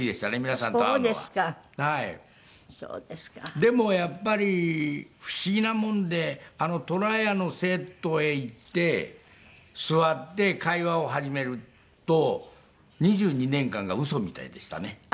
でもやっぱり不思議なもんであのとらやのセットへ行って座って会話を始めると２２年間がウソみたいでしたね。